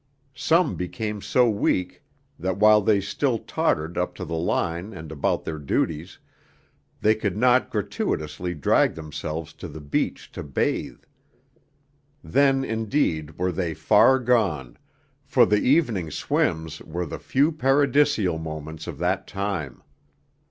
Some became so weak that while they still tottered up to the line and about their duties, they could not gratuitously drag themselves to the beach to bathe. Then indeed were they far gone, for the evening swims were the few paradisial moments of that time.